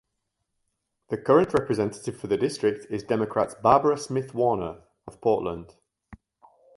The current representative for the district is Democrat Barbara Smith Warner of Portland.